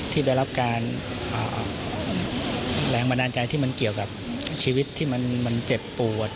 ที่ได้รับการแรงบันดาลใจที่มันเกี่ยวกับชีวิตที่มันเจ็บปวด